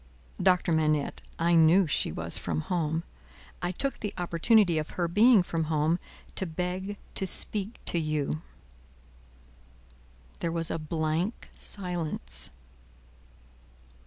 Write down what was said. "Doctor Manette, I knew she was from home. I took the opportunity of her being from home, to beg to speak to you." There was a blank silence.